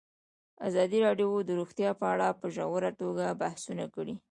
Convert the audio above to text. ازادي راډیو د روغتیا په اړه په ژوره توګه بحثونه کړي.